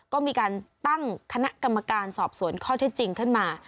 ก็มีการตั้งคณะกรรมการสอบสวนข้อเท็จจริงขึ้นมา